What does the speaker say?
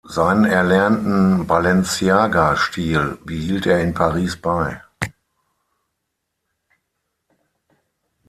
Seinen erlernten Balenciaga-Stil behielt er in Paris bei.